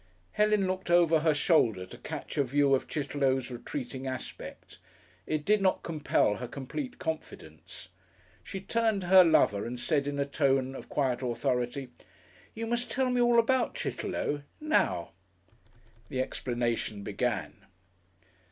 Helen looked over her shoulder to catch a view of Chitterlow's retreating aspect. It did not compel her complete confidence. She turned to her lover and said in a tone of quiet authority, "You must tell me all about Chitterlow. Now." The explanation began....